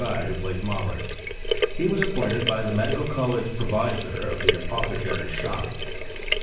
side of the lake Mteler), lie was appointed by the Medical College provtsor of the apothecary's shop.